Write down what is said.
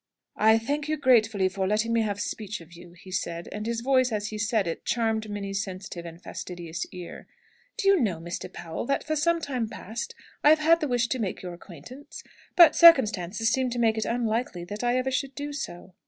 "I thank you gratefully for letting me have speech of you," he said; and his voice, as he said it, charmed Minnie's sensitive and fastidious ear. "Do you know, Mr. Powell, that for some time past I have had the wish to make your acquaintance? But circumstances seemed to make it unlikely that I ever should do so."